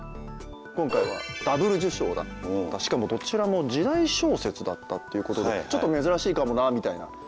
今回はダブル受賞だったしかもどちらも時代小説だったということでちょっと珍しいかもなみたいな。